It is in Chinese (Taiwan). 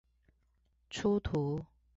出圖